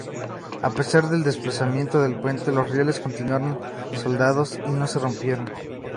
A pesar del desplazamiento del puente, los rieles continuaron soldados y no se rompieron.